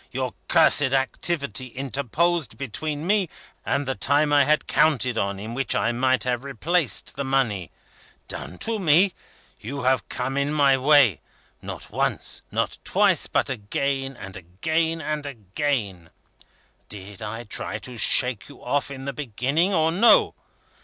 Your cursed activity interposed between me, and the time I had counted on in which I might have replaced the money. Done to me? You have come in my way not once, not twice, but again and again and again. Did I try to shake you off in the beginning, or no?